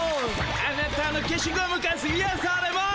あなたのけしゴムカスいやされます。